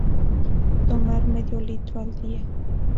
Tomar medio litro al día.